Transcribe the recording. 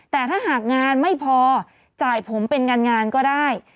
แต่ถ้าหากงานไม่พอจ่ายผมเป็นงานก็ได้